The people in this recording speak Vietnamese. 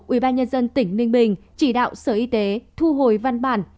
ubnd tỉnh ninh bình chỉ đạo sở y tế thu hồi văn bản